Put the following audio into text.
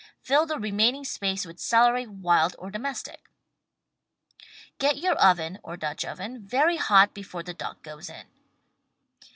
Fill the remaining space with celery, wild or domestic. Get your oven, or Dutch oven, very hot before the duck goes in.